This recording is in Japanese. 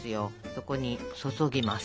そこに注ぎます。